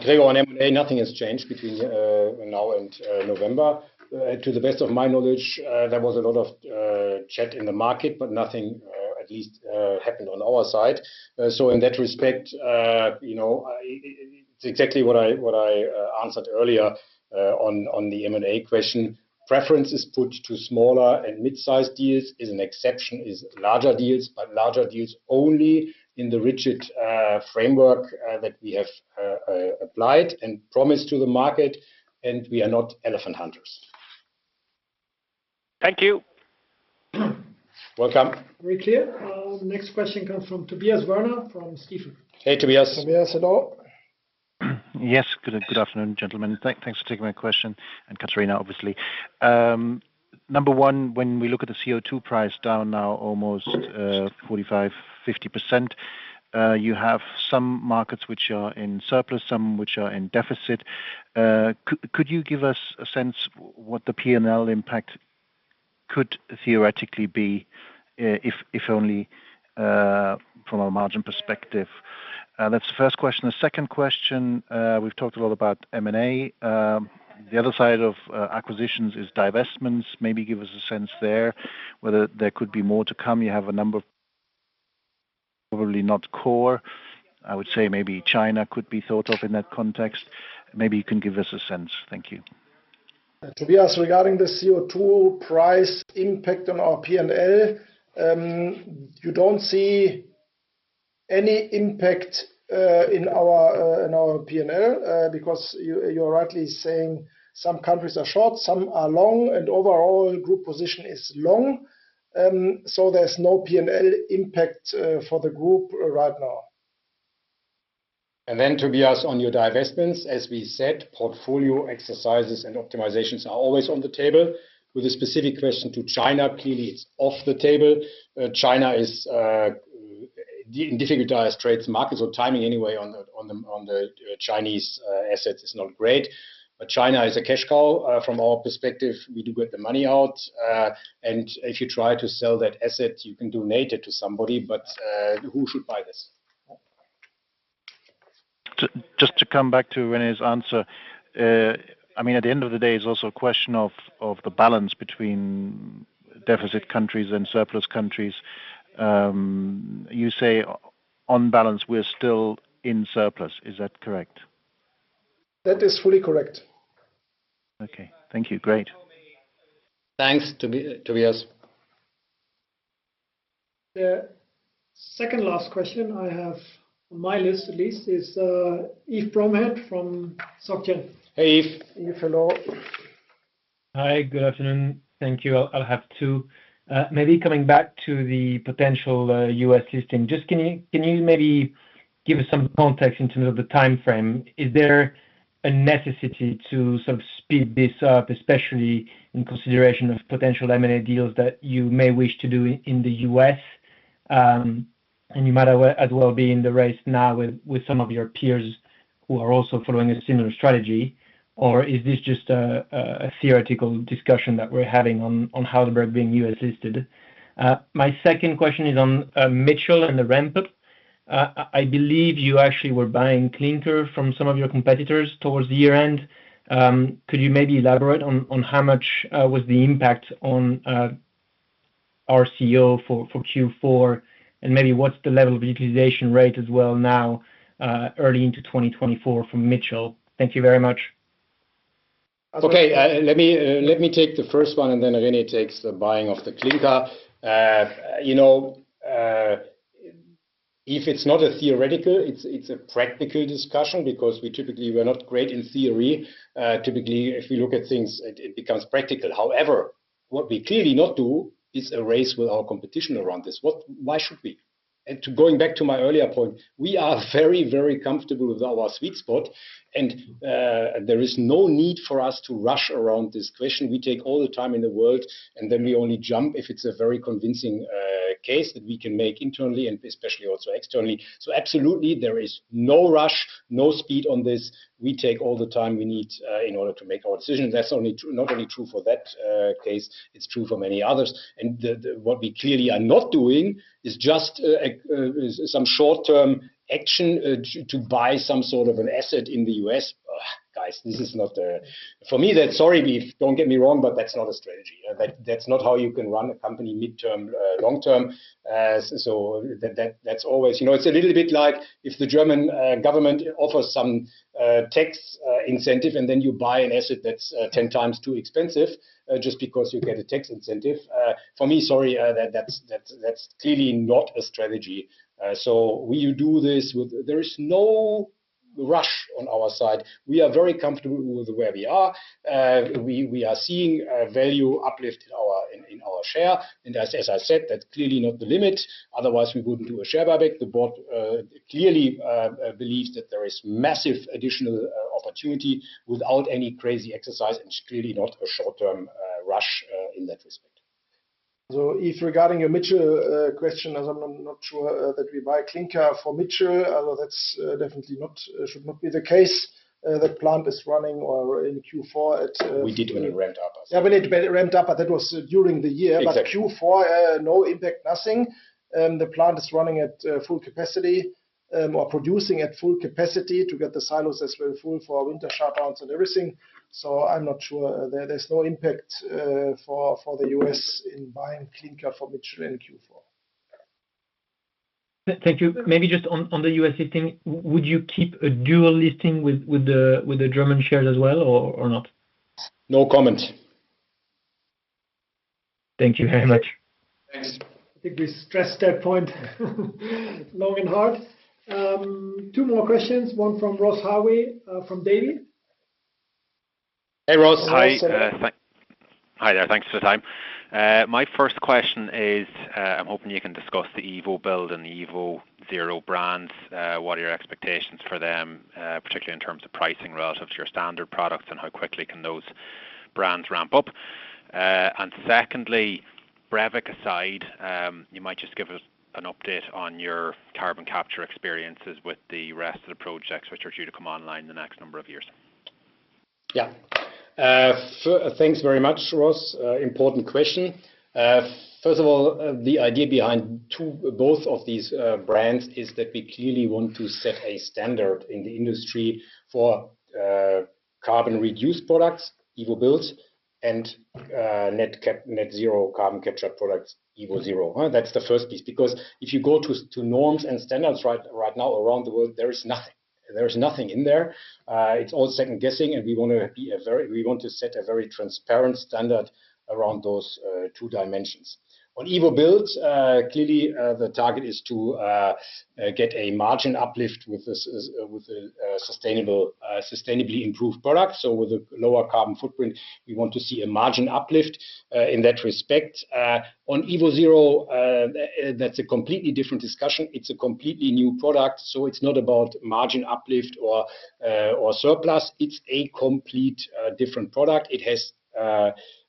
S3: Gregor, on M&A, nothing has changed between now and November. To the best of my knowledge, there was a lot of chat in the market, but nothing, at least, happened on our side. So in that respect, it's exactly what I answered earlier on the M&A question. Preference is put to smaller and mid-sized deals. An exception is larger deals, but larger deals only in the rigid framework that we have applied and promised to the market. We are not elephant hunters.
S12: Thank you.
S3: Welcome.
S2: Very clear. Next question comes from Tobias Woerner from Stifel.
S3: Hey, Tobias.
S4: Tobias, hello.
S13: Yes. Good afternoon, gentlemen. Thanks for taking my question. And Katarina, obviously. Number one, when we look at the CO2 price down now almost 45%-50%, you have some markets which are in surplus, some which are in deficit. Could you give us a sense what the P&L impact could theoretically be, if only from a margin perspective? That's the first question. The second question, we've talked a lot about M&A. The other side of acquisitions is divestments. Maybe give us a sense there whether there could be more to come. You have a number of probably not core. I would say maybe China could be thought of in that context. Maybe you can give us a sense. Thank you.
S4: Tobias, regarding the CO2 price impact on our P&L, you don't see any impact in our P&L because you are rightly saying some countries are short, some are long, and overall, group position is long. So there's no P&L impact for the group right now.
S3: Then, Tobias, on your divestments, as we said, portfolio exercises and optimizations are always on the table. With a specific question to China, clearly, it's off the table. China is in difficult-to-trade markets. So timing, anyway, on the Chinese assets is not great. But China is a cash cow. From our perspective, we do get the money out. And if you try to sell that asset, you can donate it to somebody. But who should buy this?
S13: Just to come back to René's answer, I mean, at the end of the day, it's also a question of the balance between deficit countries and surplus countries. You say on balance, we're still in surplus. Is that correct?
S4: That is fully correct.
S13: Okay. Thank you. Great.
S3: Thanks, Tobias.
S2: The second last question I have on my list, at least, is Yves Bromehead from Société Générale.
S3: Hey, Yves.
S4: Yves, hello.
S14: Hi. Good afternoon. Thank you. I'll have two. Maybe coming back to the potential US listing, just can you maybe give us some context in terms of the timeframe? Is there a necessity to sort of speed this up, especially in consideration of potential M&A deals that you may wish to do in the US? And you might as well be in the race now with some of your peers who are also following a similar strategy. Or is this just a theoretical discussion that we're having on Heidelberg being US-listed? My second question is on Mitchell and the ramp-up. I believe you actually were buying Klinker from some of your competitors towards the year-end. Could you maybe elaborate on how much was the impact on RCO for Q4? And maybe what's the level of utilization rate as well now early into 2024 from Mitchell? Thank you very much.
S3: Okay. Let me take the first one, and then René takes the buying of the Klinker. If it's not a theoretical, it's a practical discussion because we typically were not great in theory. Typically, if we look at things, it becomes practical. However, what we clearly not do is a race with our competition around this. Why should we? And going back to my earlier point, we are very, very comfortable with our sweet spot. And there is no need for us to rush around this question. We take all the time in the world, and then we only jump if it's a very convincing case that we can make internally and especially also externally. So absolutely, there is no rush, no speed on this. We take all the time we need in order to make our decision. That's not only true for that case. It's true for many others. What we clearly are not doing is just some short-term action to buy some sort of an asset in the US Guys, this is not the for me, sorry, don't get me wrong, but that's not a strategy. That's not how you can run a company mid-term, long-term. So that's always it's a little bit like if the German government offers some tax incentive, and then you buy an asset that's 10 times too expensive just because you get a tax incentive. For me, sorry, that's clearly not a strategy. So we do this with there is no rush on our side. We are very comfortable with where we are. We are seeing value uplift in our share. And as I said, that's clearly not the limit. Otherwise, we wouldn't do a share buyback. The board clearly believes that there is massive additional opportunity without any crazy exercise and clearly not a short-term rush in that respect.
S4: Yves, regarding your Mitchell question, as I'm not sure that we buy Klinker for Mitchell, that should not be the case. The plant is running in Q4 at.
S3: We did when it ramped up, as well.
S4: Yeah, when it ramped up. But that was during the year. But Q4, no impact, nothing. The plant is running at full capacity or producing at full capacity to get the silos as well full for winter shutdowns and everything. So I'm not sure. There's no impact for the US in buying Klinker for Mitchell in Q4.
S14: Thank you. Maybe just on the US listing, would you keep a dual listing with the German shares as well or not?
S3: No comment.
S14: Thank you very much.
S2: Thanks. I think we stressed that point long and hard. Two more questions. One from Ross Harvey from Davy.
S3: Hey, Ross.
S15: Hi. Hi there. Thanks for the time. My first question is I'm hoping you can discuss the evoBuild and the evoZero brands. What are your expectations for them, particularly in terms of pricing relative to your standard products and how quickly can those brands ramp up? And secondly, Brevik aside, you might just give us an update on your carbon capture experiences with the rest of the projects, which are due to come online the next number of years.
S3: Yeah. Thanks very much, Ross. Important question. First of all, the idea behind both of these brands is that we clearly want to set a standard in the industry for carbon-reduced products, evoBuild, and net zero carbon capture products, evoZero. That's the first piece. Because if you go to norms and standards right now around the world, there is nothing. There is nothing in there. It's all second-guessing. And we want to set a very transparent standard around those two dimensions. On evoBuild, clearly, the target is to get a margin uplift with a sustainably improved product. So with a lower carbon footprint, we want to see a margin uplift in that respect. On evoZero, that's a completely different discussion. It's a completely new product. So it's not about margin uplift or surplus. It's a completely different product. It has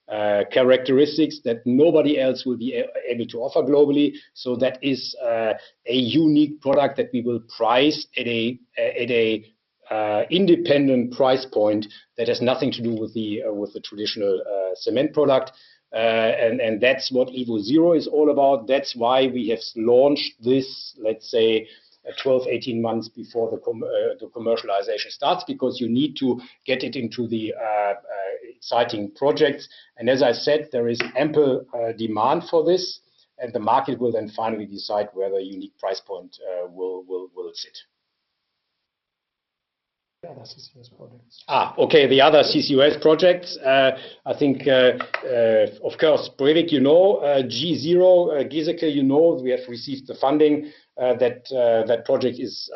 S3: characteristics that nobody else will be able to offer globally. So that is a unique product that we will price at an independent price point that has nothing to do with the traditional cement product. And that's what evoZero is all about. That's why we have launched this, let's say, 12, 18 months before the commercialization starts because you need to get it into the exciting projects. And as I said, there is ample demand for this. And the market will then finally decide where the unique price point will sit.
S4: Yeah, the CCUS projects.
S3: Okay. The other CCUS projects, I think of course, Brevik, you know. G-Zero, Giesecke, you know. We have received the funding. That project is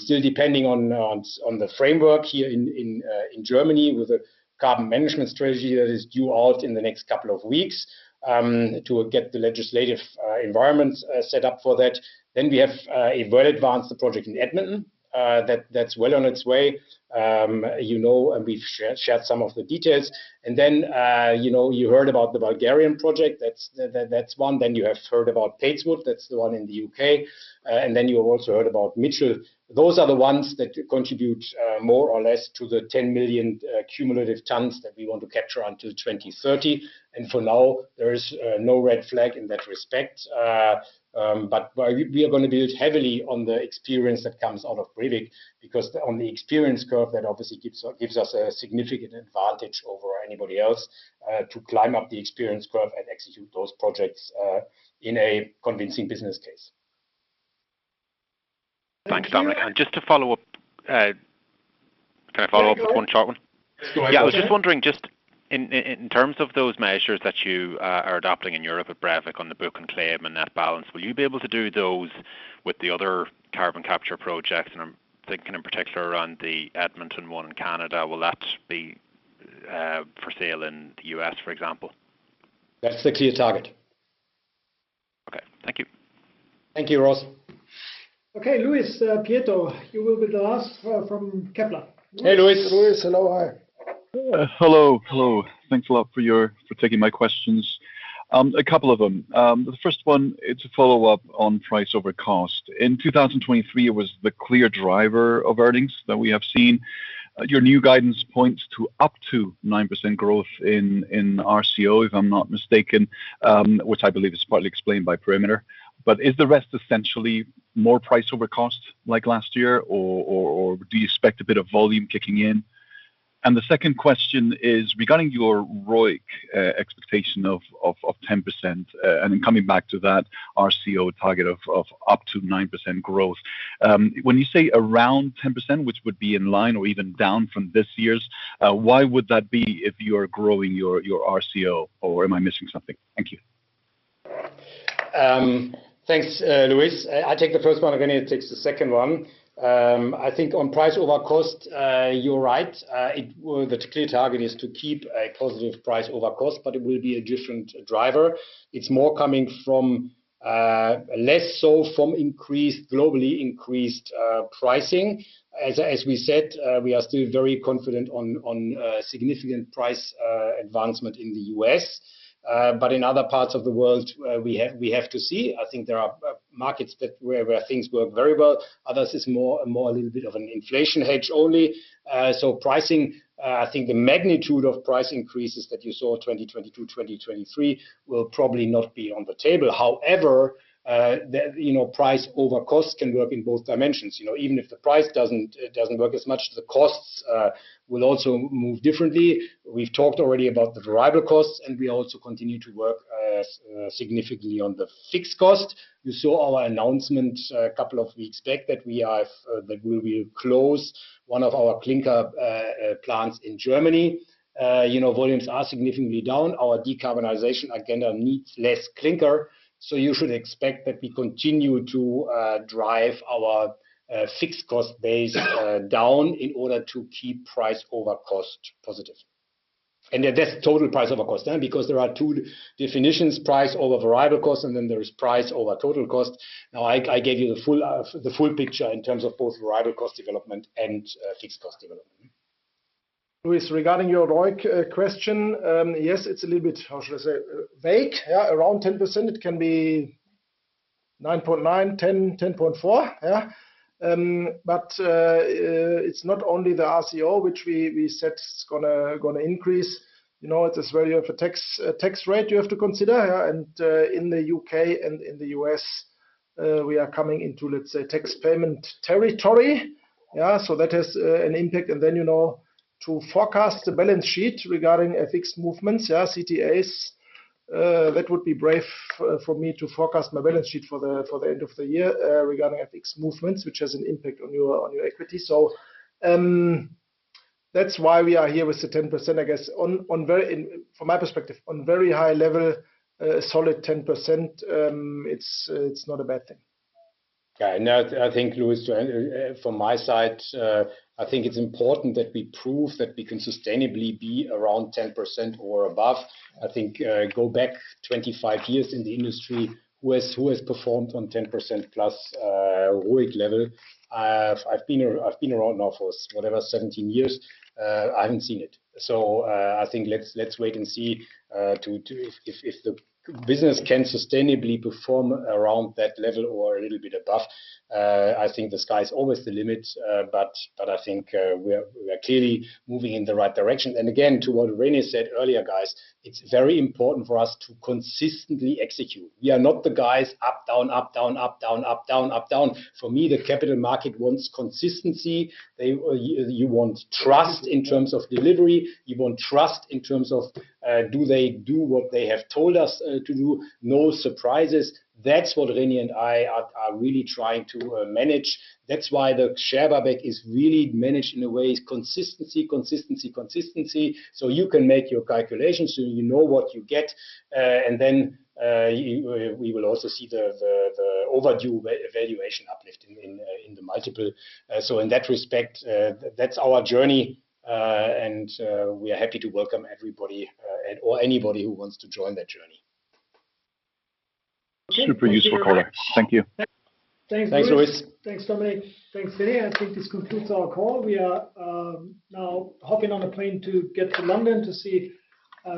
S3: still depending on the framework here in Germany with a carbon management strategy that is due out in the next couple of weeks to get the legislative environment set up for that. Then we have a well-advanced project in Edmonton. That's well on its way. And we've shared some of the details. And then you heard about the Bulgarian project. That's one. Then you have heard about Padeswood. That's the one in the UK And then you have also heard about Mitchell. Those are the ones that contribute more or less to the 10 million tons that we want to capture until 2030. And for now, there is no red flag in that respect. We are going to build heavily on the experience that comes out of Brevik because on the experience curve, that obviously gives us a significant advantage over anybody else to climb up the experience curve and execute those projects in a convincing business case.
S15: Thanks, Dominik. Just to follow up, can I follow up with one short one?
S3: Yes, go ahead.
S15: Yeah. I was just wondering, just in terms of those measures that you are adopting in Europe at Brevik on the Book and Claim and mass balance, will you be able to do those with the other carbon capture projects? And I'm thinking in particular around the Edmonton one in Canada. Will that be for sale in the US, for example?
S3: That's strictly a target.
S15: Okay. Thank you.
S3: Thank you, Ross.
S2: Okay. Luis Prieto, you will be the last from Kepler.
S4: Hey, Luis. Luis, hello. Hi.
S16: Hello. Hello. Thanks a lot for taking my questions. A couple of them. The first one, it's a follow-up on price over cost. In 2023, it was the clear driver of earnings that we have seen. Your new guidance points to up to 9% growth in RCO, if I'm not mistaken, which I believe is partly explained by perimeter. But is the rest essentially more price over cost like last year, or do you expect a bit of volume kicking in? And the second question is regarding your ROIC expectation of 10%. And then coming back to that RCO target of up to 9% growth. When you say around 10%, which would be in line or even down from this year's, why would that be if you are growing your RCO, or am I missing something? Thank you.
S3: Thanks, Luis. I take the first one. René takes the second one. I think on Price Over Cost, you're right. The clear target is to keep a positive Price Over Cost, but it will be a different driver. It's more coming from less so from globally increased pricing. As we said, we are still very confident on significant price advancement in the US But in other parts of the world, we have to see. I think there are markets where things work very well. Others, it's more a little bit of an inflation hedge only. So pricing, I think the magnitude of price increases that you saw 2022, 2023 will probably not be on the table. However, Price Over Cost can work in both dimensions. Even if the price doesn't work as much, the costs will also move differently. We've talked already about the variable costs, and we also continue to work significantly on the fixed cost. You saw our announcement a couple of weeks back that we will close one of our Klinker plants in Germany. Volumes are significantly down. Our decarbonization agenda needs less Klinker. So you should expect that we continue to drive our fixed cost base down in order to keep price over cost positive. And that's total price over cost because there are two definitions: price over variable cost, and then there is price over total cost. Now, I gave you the full picture in terms of both variable cost development and fixed cost development.
S4: Luis, regarding your ROIC question, yes, it's a little bit, how should I say, vague. Yeah, around 10%. It can be 9.9, 10, 10.4. Yeah. But it's not only the RCO, which we said is going to increase. It's as well you have a tax rate you have to consider. In the UK and in the US, we are coming into, let's say, tax payment territory. Yeah. So that has an impact. To forecast the balance sheet regarding FX movements, yeah, CTAs, that would be brave for me to forecast my balance sheet for the end of the year regarding FX movements, which has an impact on your equity. So that's why we are here with the 10%, I guess, from my perspective, on very high level, a solid 10%. It's not a bad thing.
S3: Yeah. I think, Luis, from my side, I think it's important that we prove that we can sustainably be around 10% or above. I think go back 25 years in the industry, who has performed on 10%+ ROIC level? I've been around now for whatever, 17 years. I haven't seen it. So I think let's wait and see if the business can sustainably perform around that level or a little bit above. I think the sky is always the limit. But I think we are clearly moving in the right direction. And again, to what René said earlier, guys, it's very important for us to consistently execute. We are not the guys up, down, up, down, up, down, up, down, up, down. For me, the capital market wants consistency. You want trust in terms of delivery. You want trust in terms of do they do what they have told us to do? No surprises. That's what René and I are really trying to manage. That's why the share buyback is really managed in a way: consistency, consistency, consistency. So you can make your calculations. So you know what you get. And then we will also see the overdue valuation uplift in the multiple. So in that respect, that's our journey. And we are happy to welcome everybody or anybody who wants to join that journey.
S16: Super useful caller. Thank you.
S2: Thanks, Luis. Thanks, Dominik. Thanks, René. I think this concludes our call. We are now hopping on a plane to get to London to see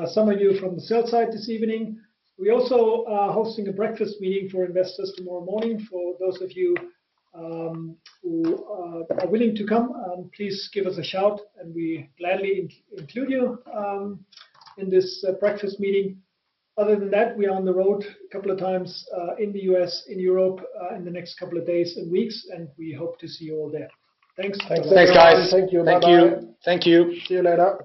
S2: some of you from the sales side this evening. We're also hosting a breakfast meeting for investors tomorrow morning. For those of you who are willing to come, please give us a shout. And we gladly include you in this breakfast meeting. Other than that, we are on the road a couple of times in the US, in Europe, in the next couple of days and weeks. And we hope to see you all there. Thanks.
S3: Thanks, guys. Thank you. Thank you. Thank you.
S4: See you later.